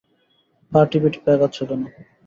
পা টিপে টিপে আগাচ্ছে কেন?